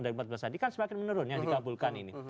ini kan semakin menurun yang dikabulkan ini